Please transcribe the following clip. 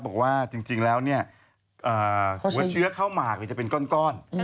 บอกว่าจริงแล้วหัวเชื้อข้าวหมากจะเป็นก้อน